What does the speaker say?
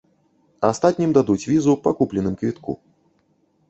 Астатнім дадуць візу па купленым квітку.